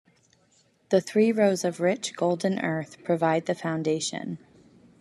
The three rows of rich, golden earth provide the foundation.